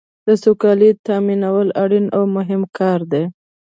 د سوکالۍ تامینول اړین او مهم کار دی.